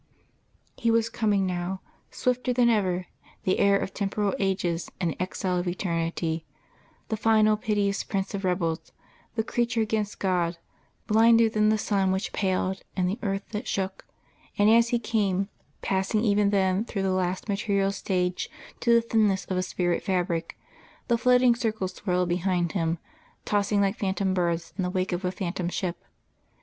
He was coming now, swifter than ever, the heir of temporal ages and the Exile of eternity, the final piteous Prince of rebels, the creature against God, blinder than the sun which paled and the earth that shook; and, as He came, passing even then through the last material stage to the thinness of a spirit fabric, the floating circle swirled behind Him, tossing like phantom birds in the wake of a phantom ship....